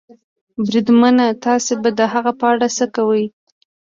بریدمنه، تاسې به د هغه په اړه څه کوئ؟